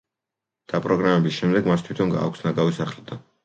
დაპროგრამების შემდეგ, მას თვითონ გააქვს ნაგავი სახლიდან.